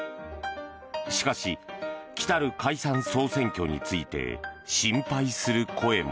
しかし来たる解散・総選挙について心配する声も。